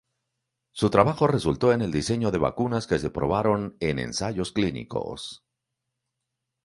Su trabajo resultó en el diseño de vacunas que se probaron en ensayos clínicos.